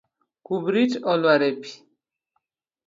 Kubrit olwar e pi.